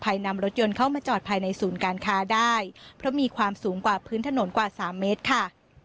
นำรถยนต์เข้ามาจอดภายในศูนย์การค้าได้เพราะมีความสูงกว่าพื้นถนนกว่าสามเมตรค่ะ